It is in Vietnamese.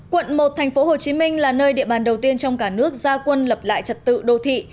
quận một thành phố hồ chí minh là nơi địa bàn đầu tiên trong cả nước gia quân lập lại trật tự đô thị